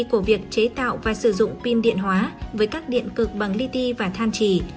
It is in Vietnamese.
của việc chế tạo và sử dụng pin điện hóa với các điện cực bằng lity và than trì